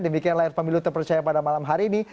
demikian layar pemilu terpercaya pada malam hari ini